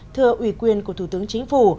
thưa ủy quyền của thủ tướng chính phủ